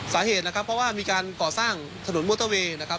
สาเหตุนะครับมีการก่อสร้างถนนมอเตอร์เวย์